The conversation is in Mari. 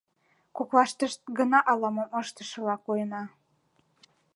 Коклаштышт гына ала-мом ыштышыла койына...